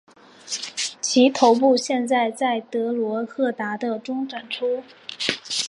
其头部现在在德罗赫达的中展出。